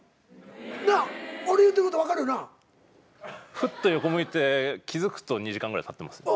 ふっと横向いて気付くと２時間ぐらいたってますよね。